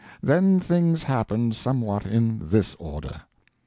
Then things happened somewhat in this order.